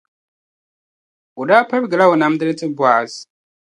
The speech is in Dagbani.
o daa pirigi la o namdili ti Bɔaz.